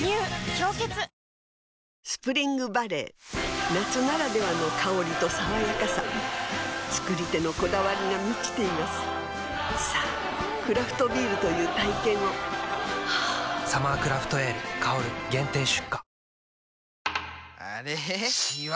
「氷結」スプリングバレー夏ならではの香りと爽やかさ造り手のこだわりが満ちていますさぁクラフトビールという体験を「サマークラフトエール香」限定出荷